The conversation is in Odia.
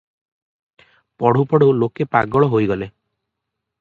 ପଢ଼ୁ ପଢ଼ୁ ଲୋକେ ପାଗଳ ହୋଇଗଲେ ।